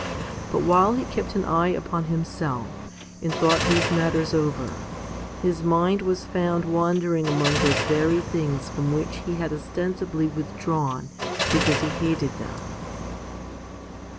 But while he kept an eye upon himself and thought these matters over, his mind was found wandering among those very things from which he had ostensibly withdrawn because he hated them.